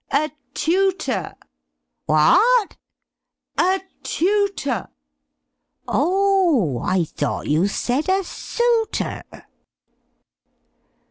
"A TUTOR." "What?" "A TUTOR." "Oh o oh! I thought you said a suitor!"